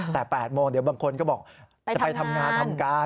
แต่๘โมงเดี๋ยวบางคนก็บอกจะไปทำงานทำการ